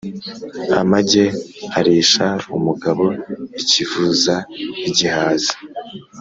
Amage arisha umugabo ikivuza (igihaza).